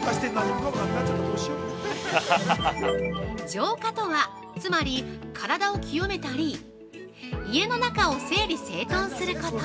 ◆浄化とは、つまり、体を清めたり、家の中を整理整頓すること。